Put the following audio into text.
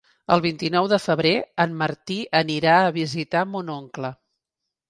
El vint-i-nou de febrer en Martí anirà a visitar mon oncle.